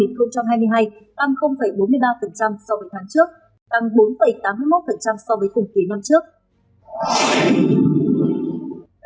lạm pháp cơ bản tháng một mươi một năm hai nghìn hai mươi hai tăng bốn mươi ba so với tháng trước tăng bốn tám mươi một so với cùng kỳ năm trước